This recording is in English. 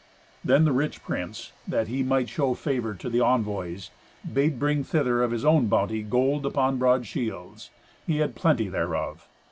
Then the rich prince, that he might show favour to the envoys, bade bring thither of his own bounty gold upon broad shields. He had plenty thereof.